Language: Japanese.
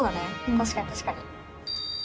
確かに確かに。